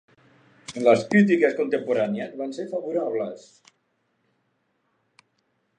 Les crítiques contemporànies van ser favorables.